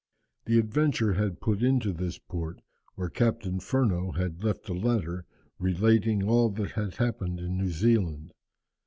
The Adventure had put into this port, where Captain Furneaux had left a letter relating all that had happened in New Zealand.